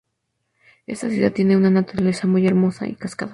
Esta ciudad tiene una naturaleza muy hermosa y cascadas.